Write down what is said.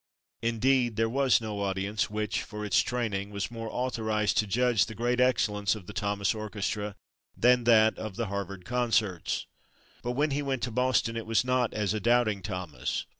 Indeed, there was no audience which, for its training, was more authorized to judge the great excellence of the Thomas orchestra than that of the Harvard concerts. But when he went to Boston it was not as a doubting Thomas.